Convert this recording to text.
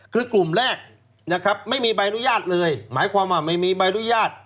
คือกลุ่มแรกนะครับไม่มีใบอนุญาตเลยหมายความว่าไม่มีใบอนุญาต